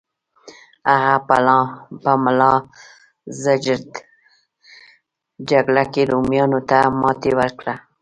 هغه په ملازجرد جګړه کې رومیانو ته ماتې ورکړه.